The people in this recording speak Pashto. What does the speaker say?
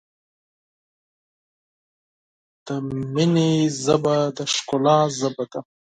د محبت ژبه د ښکلا ژبه ده.